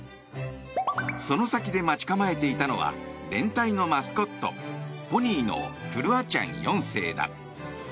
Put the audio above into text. その先で待ち構えていたのは連隊のマスコットポニーのクルアチャン４世だ。